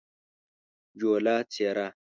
جوله : څیره